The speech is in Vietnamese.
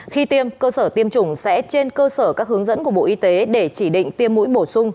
khi tiêm cơ sở tiêm chủng sẽ trên cơ sở các hướng dẫn của bộ y tế để chỉ định tiêm mũi bổ sung